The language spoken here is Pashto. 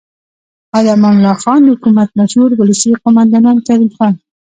او د امان الله خان د حکومت مشهور ولسي قوماندان کریم خان